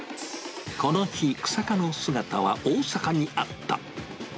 この日、日下の姿は大阪にあった。